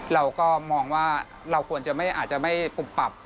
เราก็มองว่าเราควรจะไม่อาจจะไม่ปุปับ